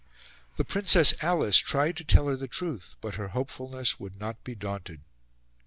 The Princess Alice tried to tell her the truth, but her hopefulness would not be daunted.